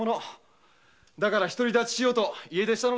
だから一人だちしようと家出したのだ。